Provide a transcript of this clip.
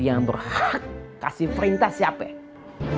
yang berhak kasih perintah siapa